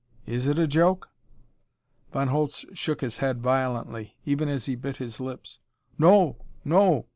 Is it a joke?" Von Holtz shook his head violently, even as he bit his lips. "No! No!"